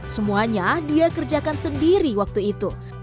semuanya dia kerjakan sendiri waktu itu